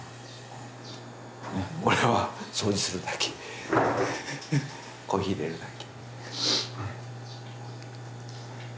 俺は掃除するだけコーヒーいれるだけ。